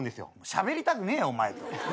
しゃべりたくねえお前と。